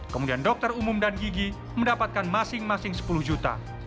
kemudian dokter umum dan gigi mendapatkan masing masing sepuluh juta